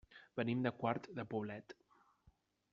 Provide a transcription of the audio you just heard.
Venim de Quart de Poblet.